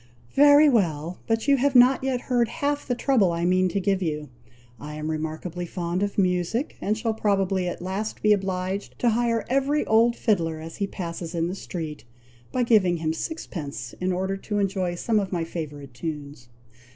"Very well! but you have not yet heard half the trouble I mean to give you. I am remarkably fond of music, and shall probably at last be obliged to hire every old fiddler as he passes in the street, by giving him sixpence in order to enjoy some of my favourite tunes."